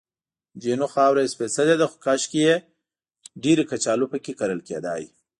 جینو: خاوره یې سپېڅلې ده، خو کاشکې چې ډېرې کچالو پکې کرل کېدای.